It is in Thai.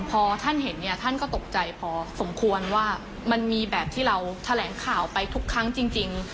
พอท่านเห็นเนี่ยท่านก็ตกใจพอสมควรว่ามันมีแบบที่เราแถลงข่าวไปทุกครั้งจริง